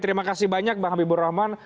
terima kasih banyak bang habibur rahman